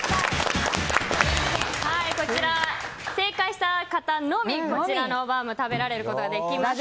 正解した方のみこちらのバウムを食べられることができます。